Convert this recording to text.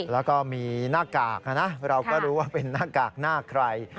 แล้วก็มีหน้ากากนะเราก็รู้ว่าเป็นหน้ากากหน้าใคร